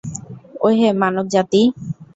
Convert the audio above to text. ওহে মানব জাতি!